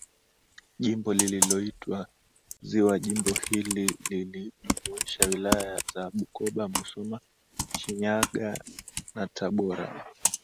Jimbo lililoitwa ziwa Jimbo hili lilijumuisha Wilaya za Bukoba Musoma Shinyanga na Tabora